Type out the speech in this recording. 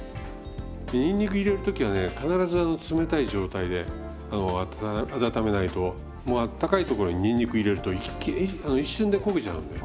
にんにく入れる時はね必ず冷たい状態で温めないとあったかい所ににんにく入れると一瞬で焦げちゃうんで。